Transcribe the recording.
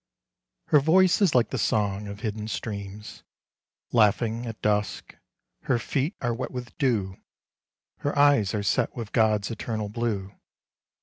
Her voice is like the song of hidden streams Laughing at dusk, her feet are wet with dew, Her eyes are set with God's eternal blue.